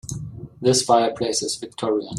This fireplace is victorian.